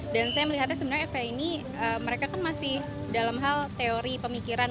dan saya melihatnya sebenarnya fpi ini mereka kan masih dalam hal teori pemikiran